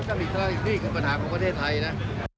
จะมีสละอีกที่คือปัญหาของประเทศไทยนะ